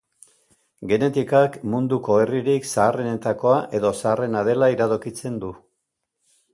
Genetikak munduko herririk zaharrenetakoa edo zaharrena dela iradokitzen du.